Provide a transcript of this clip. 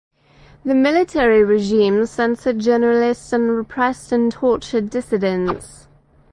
The military regime censored journalists and repressed and tortured dissidents.